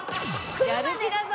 やる気だぞ！